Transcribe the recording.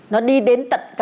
nó đi đến tận các vùng sâu kia